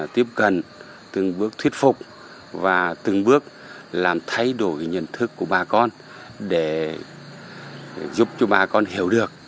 tiếp cận từng bước thuyết phục và từng bước làm thay đổi nhận thức của bà con để giúp cho bà con hiểu được